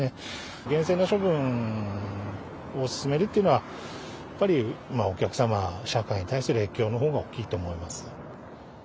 厳正な処分を進めるっていうのは、やっぱりお客様、社会に対する影響のほうが大きいと思います。